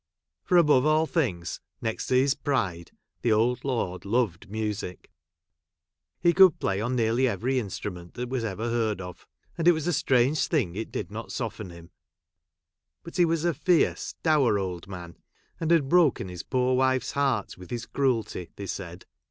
For, above all things, next to his pride, the old lord loved music. He could ' play on nearly every instrument that ever was | heard of ; and it was a strange thing it did ; not soften him ; but he was a fierce dour old man, and had broken his poor wife's heart with his cruelty, they said.